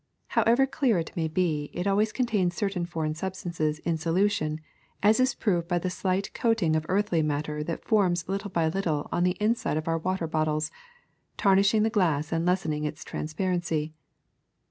However clear it may be, it always con tains certain foreign substances in solution, as is proved by the slight coating of earthy matter that . forms little by little on the inside of our water bot tles, tarnishing the glass and lessening its trans parency.